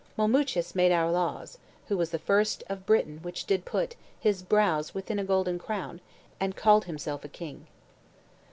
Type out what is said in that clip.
Molmutius made our laws; Who was the first of Britain which did put His brows within a golden crown, and called Himself a king."